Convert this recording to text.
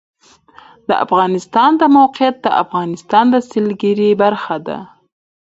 د افغانستان د موقعیت د افغانستان د سیلګرۍ برخه ده.